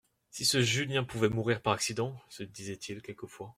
Si ce Julien pouvait mourir par accident ! se disait-il quelquefois.